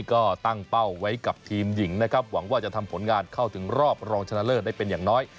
ก็ตั้งเป้าไว้กับทีมหญิงนะครับหวังว่าจะทำผลงานเข้าถึงรอบรองชนะเลิศได้เป็นอย่างน้อย